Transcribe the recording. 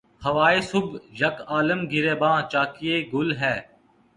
ہوائے صبح یک عالم گریباں چاکی گل ہے